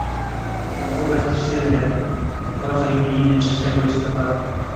Hubert i Sylwia obchodzą imieniny trzeciego listopada.